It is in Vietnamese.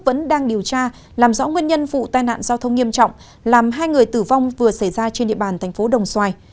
vẫn đang điều tra làm rõ nguyên nhân vụ tai nạn giao thông nghiêm trọng làm hai người tử vong vừa xảy ra trên địa bàn thành phố đồng xoài